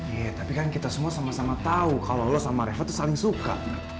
iya tapi kan kita semua sama sama tau kalo lo sama reva tuh saling suka